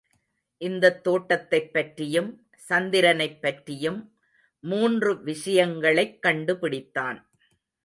இந்தத் தோட்டத்தைப் பற்றியும் சந்திரனைப்பற்றியும் மூன்று விஷயங்களைக் கண்டு பிடித்தான்.